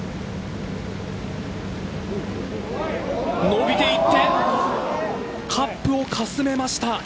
伸びていってカップをかすめました。